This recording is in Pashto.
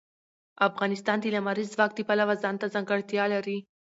افغانستان د لمریز ځواک د پلوه ځانته ځانګړتیا لري.